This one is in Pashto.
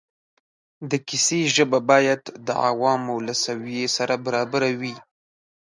د کیسې ژبه باید د عوامو له سویې سره برابره وي.